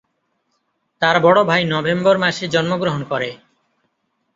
তার বড় ভাই নভেম্বর মাসে জন্মগ্রহণ করে।